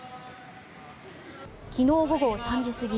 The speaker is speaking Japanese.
昨日午後３時過ぎ